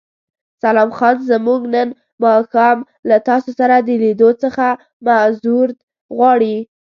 سلام، خان زمان نن ماښام له تاسو سره د لیدو څخه معذورت غواړي.